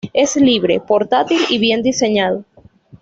Es libre, portátil y bien-diseñado.